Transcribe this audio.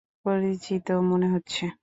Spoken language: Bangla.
পরিচিত মনে হচ্ছে।